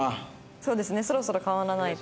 そうですねそろそろ変わらないと。